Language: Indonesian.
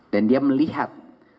dan dia melihat